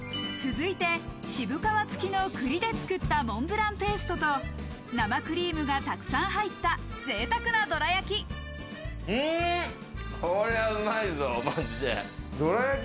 渋皮付きの栗で作ったモンブランペーストと生クリームがたくさん入った贅沢などら焼き。